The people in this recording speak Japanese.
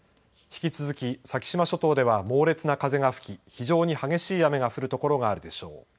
引き続き先島諸島では猛烈な風が吹き、非常に激しい雨が降るところがあるでしょう。